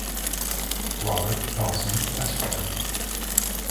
Robert Dawson Esq.